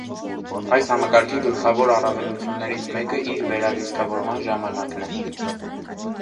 Այս համակարգի գլխավոր առավելություններից մեկը իր վերալիցքավորման ժամանակն է։